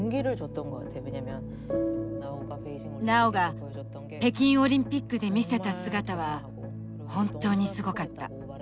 ナオが北京オリンピックで見せた姿は本当にすごかった。